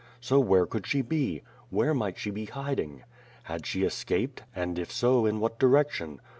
So where could she be? Where might she be hiding? Had she es caped, and if so in what direction?